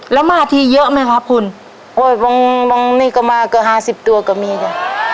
แล้วมาที่เยอะไหมครับคุณโอ้ยบางนี่ก็มาเกือบห้าสิบตัวก็มีจ้ะ